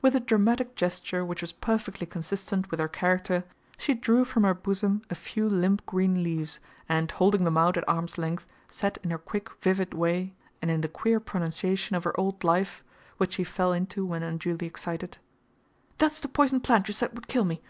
With a dramatic gesture which was perfectly consistent with her character, she drew from her bosom a few limp green leaves, and, holding them out at arm's length, said in her quick vivid way, and in the queer pronunciation of her old life, which she fell into when unduly excited: "That's the poison plant you said would kill me.